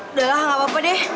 udah lah nggak apa apa deh